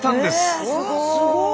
えすごい。